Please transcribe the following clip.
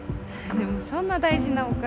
でも、そんな大事なお金。